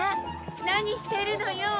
何してるのよ。